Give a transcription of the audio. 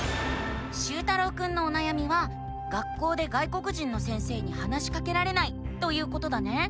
しゅうたろうくんのおなやみは「学校で外国人の先生に話しかけられない」ということだね。